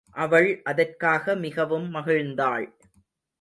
அவள் அதற்காக மிகவும் மகிழ்ந்தாள்.